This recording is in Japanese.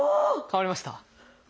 変わりました！